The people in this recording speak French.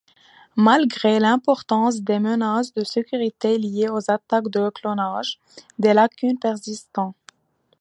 Malgré l'importance des menaces de sécurité liées aux attaques de clonage, des lacunes persistent.